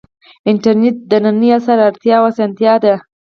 انټرنیټ د ننني عصر اړتیا او اسانتیا ده.